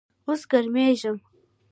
اوس ګرمیږم